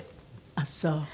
あっそう！